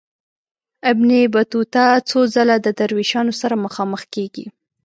ابن بطوطه څو ځله د دروېشانو سره مخامخ کیږي.